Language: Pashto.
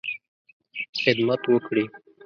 خدمت وکړې.